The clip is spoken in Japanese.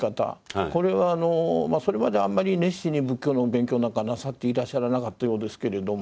これはそれまであんまり熱心に仏教のお勉強なんかはなさっていらっしゃらなかったようですけれども。